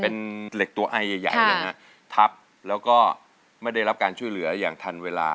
เป็นเหล็กตัวไอใหญ่ใหญ่เลยนะฮะทับแล้วก็ไม่ได้รับการช่วยเหลืออย่างทันเวลา